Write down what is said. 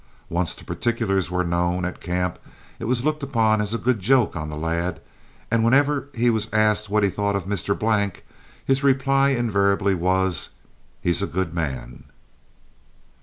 Once the particulars were known at camp, it was looked upon as a good joke on the lad, and whenever he was asked what he thought of Mr. Blank, his reply invariably was, "He's a good man."